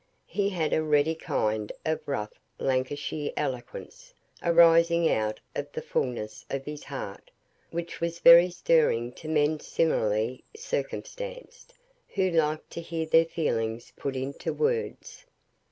He had a ready kind of rough Lancashire eloquence, arising out of the fulness of his heart, which was very stirring to men similarly circumstanced, who liked to hear their feelings put into words.